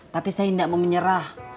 tapi saya tidak mau menyerah